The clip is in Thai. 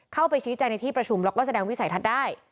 เข้าไปชี้แจงในที่ประชุมแล้วก็แสดงวิสัยทัศน์ได้